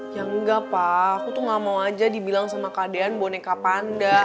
ya enggak pak aku tuh gak mau aja dibilang sama kak dean boneka panda